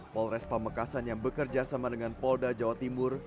polres pamekasan yang bekerja sama dengan polda jawa timur